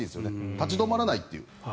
立ち止まらないという。